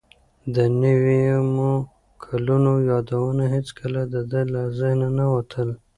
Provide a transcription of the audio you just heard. د نویمو کلونو یادونه هیڅکله د ده له ذهنه نه وتل.